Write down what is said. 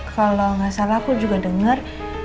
kalo gak salah aku juga denger